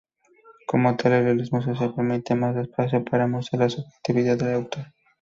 Como tal, el realismo social permite más espacio para mostrar la subjetividad del autor.